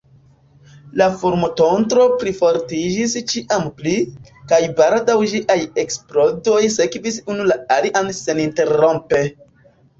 La fulmotondro plifortiĝis ĉiam pli, kaj baldaŭ ĝiaj eksplodoj sekvis unu la alian seninterrompe.